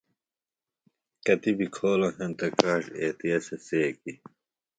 کتیۡ بیۡ کھولوۡ ہینتہ کاڇ، اتِیتے سےۡ څیکیۡ